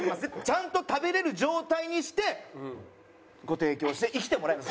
ちゃんと食べれる状態にしてご提供して生きてもらいます。